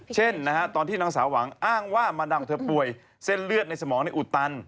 ตอนที่นางสาวหวังอ้างว่ามาดังเธอป่วยเส้นเลือดในสมองในอุดตัน